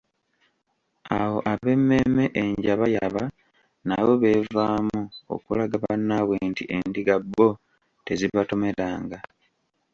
Awo ab'emmeemme enjababayaba nabo beevaamu okulaga bannaabwe nti endiga bo tezibatomeranga.